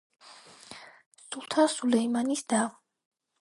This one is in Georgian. სულთან სულეიმანის და.